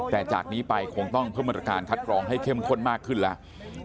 แต่จากนี้ไปคงต้องเพิ่มมาตรการคัดกรองให้เข้มข้นมากขึ้นแล้ว